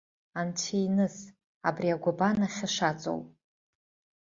Анцәиныс абри агәабан ахьы шаҵоу!